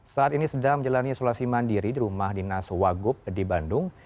saat ini sedang menjalani isolasi mandiri di rumah dinas wagub di bandung